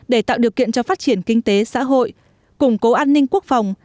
để tạo điều kiện cho phát triển kinh tế xã hội củng cố an ninh quốc phòng